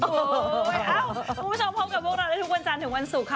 โอ้ผู้ชมพบกับพวกเราทุกวันจานถึงวันสุข